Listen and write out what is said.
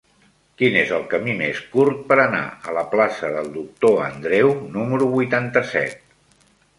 Quin és el camí més curt per anar a la plaça del Doctor Andreu número vuitanta-set?